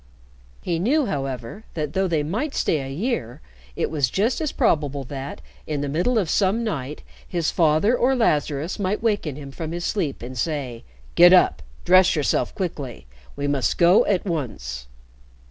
He knew, however, that though they might stay a year, it was just as probable that, in the middle of some night, his father or Lazarus might waken him from his sleep and say, "Get up dress yourself quickly. We must go at once."